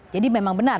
jadi memang benar